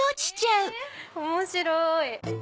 面白い！